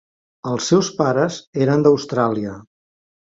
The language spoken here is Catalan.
Els seus pares eren d'Austràlia.